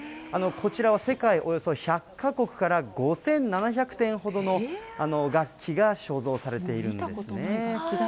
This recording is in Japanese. こちらは世界およそ１００か国から、５７００点ほどの楽器が所蔵されているんですね。